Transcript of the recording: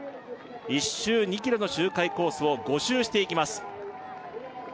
１周２ｋｍの周回コースを５周していきます